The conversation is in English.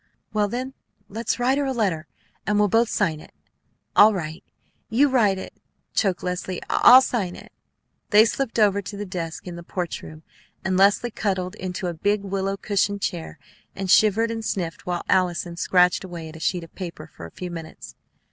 "Well, then, let's write her a letter! And we'll both sign it." "All right. You write it," choked Leslie. "I'll sign it." They slipped over to the desk in the porch room, and Leslie cuddled into a big willow cushioned chair, and shivered and sniffed while Allison scratched away at a sheet of paper for a few minutes.